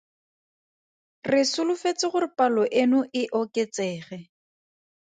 Re solofetse gore palo eno e oketsege.